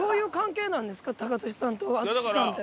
タカトシさんと淳さんって。